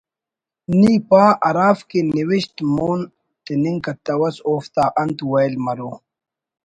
نی پا ہرافک کہ نوشت مون تننگ کتوس اوفتا انت ویل مرور